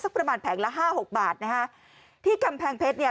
ประมาณแผงละห้าหกบาทนะฮะที่กำแพงเพชรเนี่ย